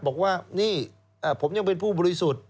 บอกว่านี่ผมยังเป็นผู้บริสุทธิ์